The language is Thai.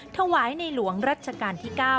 ถวายในหลวงรัชกาลที่๙